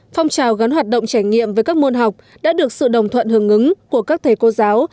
phong trào gắn hoạt động trải nghiệm với các môn học đã được sự đồng thuận hưởng ứng của các thầy cô giáo